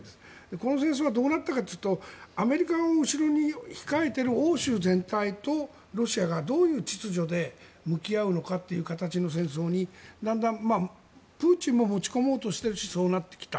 この戦争はどうなったかというとアメリカを後ろに控えている欧州全体とロシアがどういう秩序で向き合うのかという形の戦争にだんだんプーチンも持ち込もうとしているしそうなってきた。